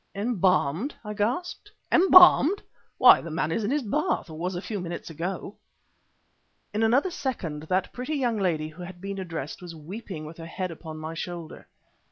"Embalmed!" I gasped. "Embalmed! Why, the man is in his bath, or was a few minutes ago." In another second that pretty young lady who had been addressed was weeping with her head upon my shoulder.